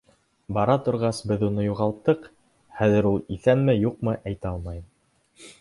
Бара торғас, беҙ уны юғалттыҡ, хәҙер ул иҫәнме-юҡмы, әйтә алмайым.